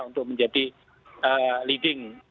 untuk menjadi leading